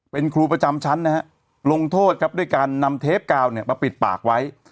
เป็นครูประจำชั้นนะฮะลงโทษครับด้วยการนำเทปกาวเนี่ยมาปิดปากไว้